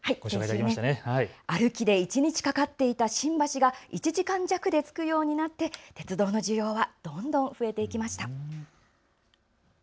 歩きで一日かかっていた新橋が１時間弱で着くようになって鉄道の需要はどんどん増えていきました。